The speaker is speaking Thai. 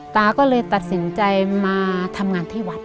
ตาก็เลยตัดสินใจมาทำงานที่วัด